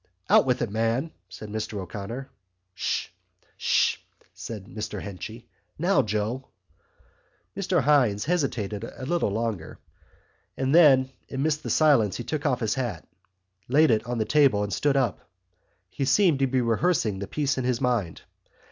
"Out with it, man!" said Mr O'Connor. "'Sh, 'sh," said Mr Henchy. "Now, Joe!" Mr Hynes hesitated a little longer. Then amid the silence he took off his hat, laid it on the table and stood up. He seemed to be rehearsing the piece in his mind.